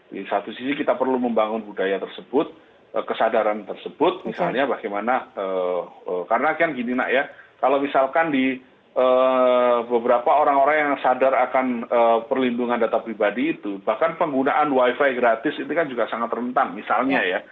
di satu sisi kita perlu membangun budaya tersebut kesadaran tersebut misalnya bagaimana karena kan gini nak ya kalau misalkan di beberapa orang orang yang sadar akan perlindungan data pribadi itu bahkan penggunaan wifi gratis itu kan juga sangat rentan misalnya ya